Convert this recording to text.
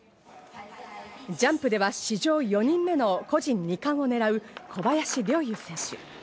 ジャンプでは史上４人前の個人２冠をねらう小林陵侑選手。